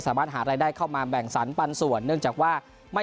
หารายได้เข้ามาแบ่งสรรปันส่วนเนื่องจากว่าไม่